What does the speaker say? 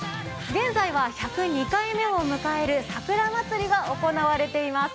現在は１０２回目を迎えるさくらまつりが行われています。